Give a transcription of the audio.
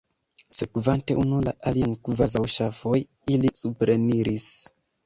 Sekvante unu la alian kvazaŭ ŝafoj, ili supreniris.